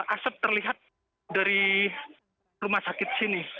asap terlihat dari rumah sakit sini